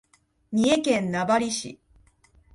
三重県名張市